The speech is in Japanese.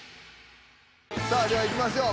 さあではいきましょう。